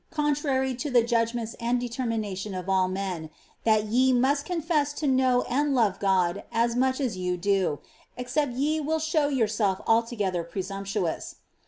contrary to the judgments and determination of all men, that ye must confess lo know and love God as much as you do, except ye will sliow yourself altogether presumptuous.